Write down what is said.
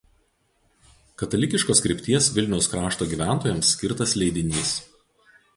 Katalikiškos krypties Vilniaus krašto gyventojams skirtas leidinys.